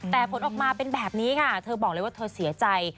แต่ผลออกมาเป็นแบบนี้ค่ะเธอบอกเลยว่าเธอเสียใจ